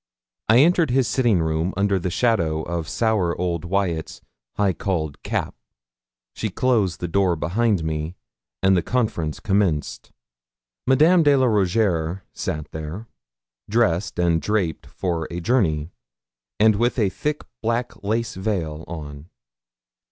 I entered his sitting room under the shadow of sour old Wyat's high cauled cap; she closed the door behind me, and the conference commenced. Madame de la Rougierre sat there, dressed and draped for a journey, and with a thick black lace veil on.